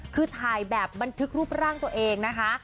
คือถ่ายแบบบันทึกรูปร่างตัวเองนะคะ